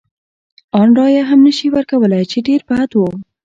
ان رایه هم نه شي ورکولای، چې ډېر بد و.